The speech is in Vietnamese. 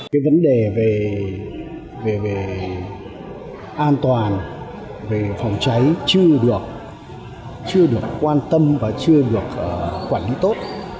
cái vấn đề về an toàn về phòng cháy chưa được quan tâm và chưa được quản lý tốt